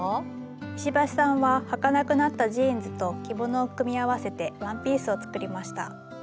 石橋さんははかなくなったジーンズと着物を組み合わせてワンピースを作りました。